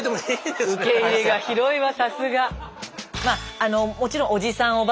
まああのもちろんおじさん